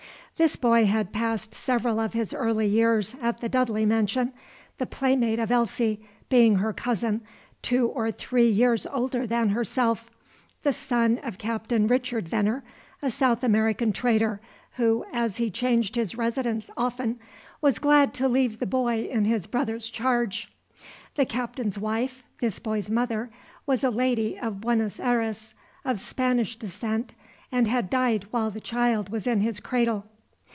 This boy had passed several of his early years at the Dudley mansion, the playmate of Elsie, being her cousin, two or three years older than herself, the son of Captain Richard Venner, a South American trader, who, as he changed his residence often, was glad to leave the boy in his brother's charge. The Captain's wife, this boy's mother, was a lady of Buenos Ayres, of Spanish descent, and had died while the child was in his cradle.